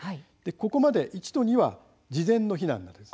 ここまで、１と２は事前の避難なんです。